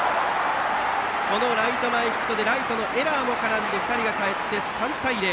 ライト前ヒットでライトのエラーも絡んで２人がかえって３対０。